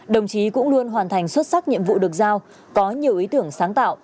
đồng chí cũng luôn hoàn thành xuất sắc nhiệm vụ được giao có nhiều ý tưởng sáng tạo